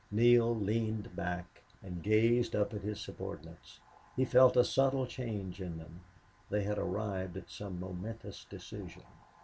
Neale leaned back and gazed up at his subordinates. He felt a subtle change in them. They had arrived at some momentous decision.